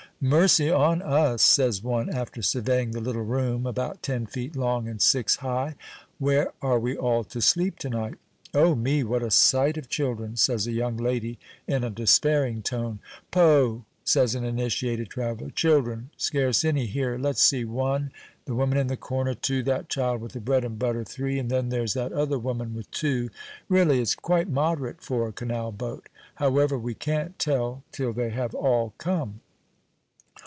"Mercy on us!" says one, after surveying the little room, about ten feet long and six high, "where are we all to sleep to night?" "O me! what a sight of children!" says a young lady, in a despairing tone. "Poh!" says an initiated traveller; "children! scarce any here; let's see: one; the woman in the corner, two; that child with the bread and butter, three; and then there's that other woman with two. Really, it's quite moderate for a canal boat. However, we can't tell till they have all come."